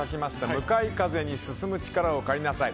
「向かい風に進む力を借りなさい」。